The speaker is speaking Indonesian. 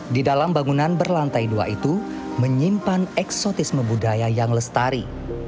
di dalam bangunan berlantai dua itu menyimpan eksotisme budaya yang lestari